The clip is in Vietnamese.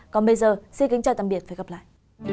còn bây giờ xin kính chào tạm biệt và hẹn gặp lại